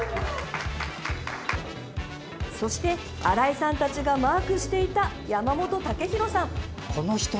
そして、新井さんたちがマークしていた山本武洋さん。